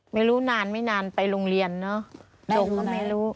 ไม่รู้นานไม่นานไปโรงเรียนเนอะจบก็ไม่รู้